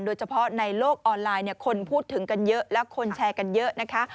โดยเฉพาะในโลกออนไลน์คนพูดถึงกันเยอะแล้วคนแชร์กันเยอะนะคะ